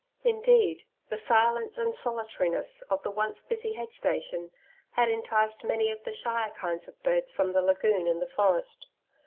Indeed, the silence and solitariness of the once busy head station had enticed many of the shyer kinds of birds from the lagoon and the forest.